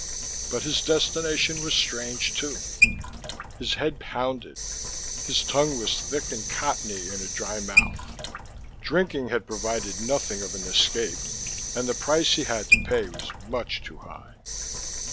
But his destination was strange, too. His head pounded, his tongue was thick and cottony in a dry mouth: drinking had provided nothing of an escape and the price he had to pay was much too high.